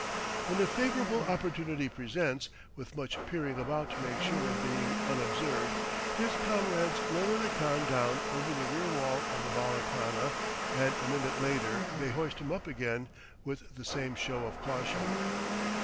When a favorable opportunity presents, with much peering about to make sure of being unobserved, his comrades lower the khan down over the rear wall of the bala khana, and a minute later they hoist him up again with the same show of caution.